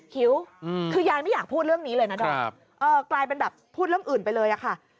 หิวคือยายไม่อยากพูดเรื่องนี้เลยนะดอมกลายเป็นแบบพูดเรื่องอื่นไปเลยอะค่ะ